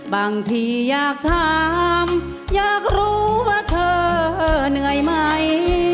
บางทีอยากถามอยากรู้ว่าเธอเหนื่อยไหม